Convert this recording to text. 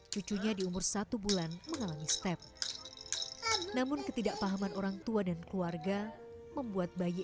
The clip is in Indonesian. cucunya di umur satu bulan mengalami step namun ketidakpahaman orangtua dan keluarga membuat bayi